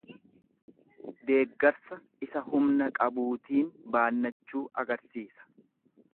Deeggarsa isa humna qabuutiin baannachuu agarsiisa.